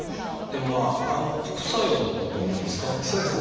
でもまあ副作用のほうはどうなんですか？